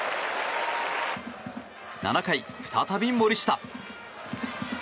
７回、再び森下。